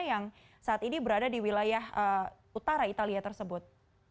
yang saat ini berada di wilayah utara italia tersebut